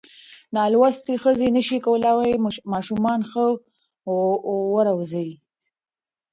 نالوستې ښځې نشي کولای ماشومان ښه وروزي.